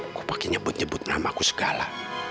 aku pake nyebut nyebut nama aku segala